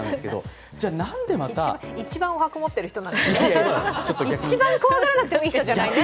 じゃあ、なんでまた一番おはこ持っている人じゃないですか一番怖がらなくていい人じゃないですか。